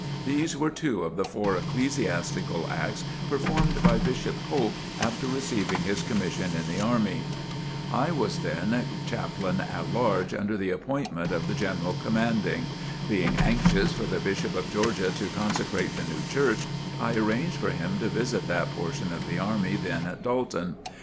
These were two of the four ecclesiastical acts performed by Bishop Polk after receiving his commission in the army. I was then Chaplain at Large under the appointment of the General Commanding. Being anxious for the Bishop of Georgia to consecrate the new church, I arranged for him to visit that portion of the army then at Dalton.